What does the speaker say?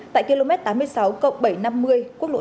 tại km tám mươi sáu cộng bảy trăm năm mươi quốc lộ